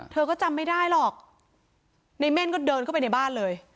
เธอก็จำไม่ได้หรอกในเม่นก็เดินเข้าไปในบ้านเลย